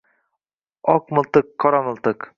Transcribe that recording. Oq miltiq, qora miltiq